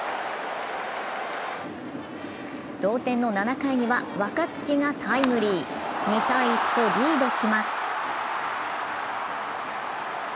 同点の７回には若月がタイムリー、２−１とリードします。